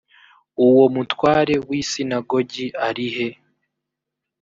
uwo mutware w isinagogi arihe